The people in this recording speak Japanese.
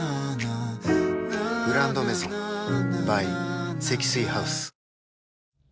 「グランドメゾン」ｂｙ 積水ハウス